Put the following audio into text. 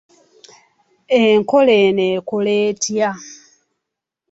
Enkola eno ekola etya?